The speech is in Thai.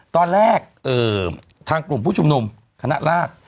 ตอนแรกทางกลุ่มผู้ชุมนุมคณะราช